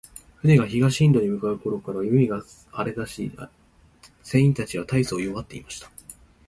船が東インドに向う頃から、海が荒れだし、船員たちは大そう弱っていました。